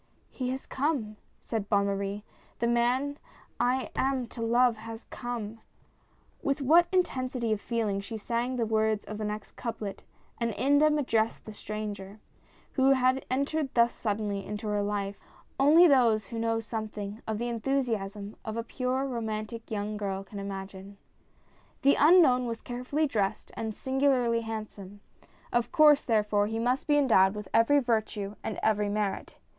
" He has come !" said Bonne Marie. " The man I am to love has come !" With what intensity of feeling she sang the words of the next couplet and in them addressed the stranger, 7 114 HE comes! who had entered thus suddenly into her life, only those who know something of the enthusiasm of a pure, romantic young girl, can imagine. The unknown was carefully dressed and singularly handsome; of course therefore, he must be endowed with every virtue and every merit.